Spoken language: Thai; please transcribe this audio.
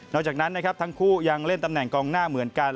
หลังจากนั้นนะครับทั้งคู่ยังเล่นตำแหน่งกองหน้าเหมือนกัน